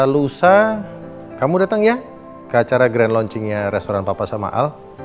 lusa kamu datang ya ke acara grand launchingnya restoran papa sama al